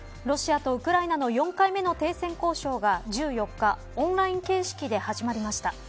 ロシアとウクライナの４回目の停戦交渉が１４日、オンライン形式で始まりました。